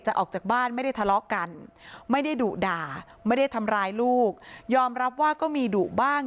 ออกจากบ้านไม่ได้ทะเลาะกันไม่ได้ดุด่าไม่ได้ทำร้ายลูกยอมรับว่าก็มีดุบ้าง